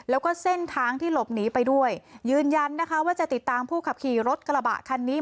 แล้วก็เส้นทางที่หลบหนีไปด้วยยืนยันนะคะว่าจะติดตามผู้ขับขี่รถกระบะคันนี้